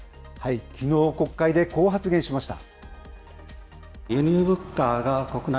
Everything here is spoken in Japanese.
きのう、国会でこう発言しました。